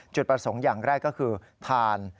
จุดประสงค์อย่างแรกก็คือทาน